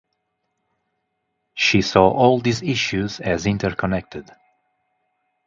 She saw all these issues as interconnected.